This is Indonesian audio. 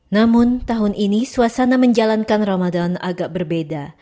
namun tahun ini suasana menjalankan ramadan agak berbeda